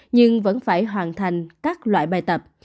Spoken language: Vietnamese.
nhưng vẫn phải hoàn thành các loại bài tập